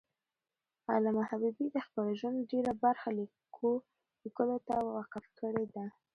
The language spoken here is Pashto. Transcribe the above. علامه حبیبي د خپل ژوند ډېره برخه لیکلو ته وقف کړی ده.